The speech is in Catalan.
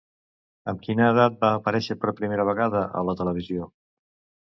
Amb quina edat va aparèixer per primera vegada a la televisió?